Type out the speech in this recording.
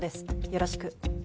よろしく。